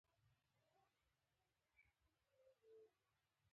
پنېر ته باید تازه شیدې وکارول شي.